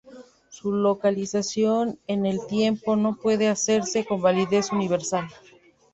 Su localización en el tiempo no puede hacerse con validez universal.